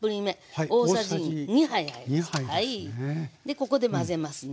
ここで混ぜますね。